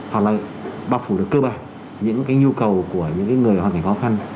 hoặc là bảo phủ được cơ bản những cái nhu cầu của những người hoạt cảnh khó khăn